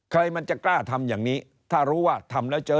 ใครมันจะกล้าทำอย่างนี้ถ้ารู้ว่าทำแล้วเจอ